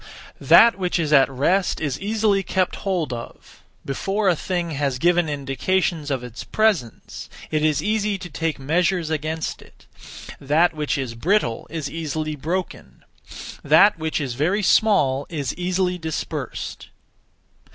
1. That which is at rest is easily kept hold of; before a thing has given indications of its presence, it is easy to take measures against it; that which is brittle is easily broken; that which is very small is easily dispersed.